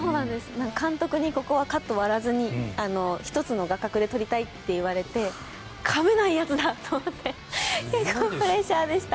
監督にここはカットを割らずに１つの画角で撮りたいと言われてかめないやつだ！と思ってプレッシャーでした。